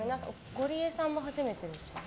ゴリエさんも初めてですよね。